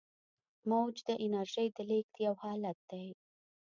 موج د انرژۍ د لیږد یو حالت دی.